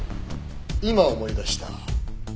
今思い出した。